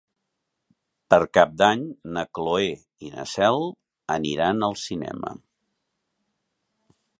Per Cap d'Any na Cloè i na Cel aniran al cinema.